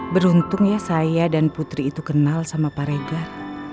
beruntung ya saya dan putri itu kenal sama paregar